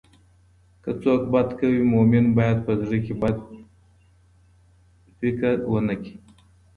که څوک بد کوي، مؤمن باید په زړه کې بد نه فکر کړي.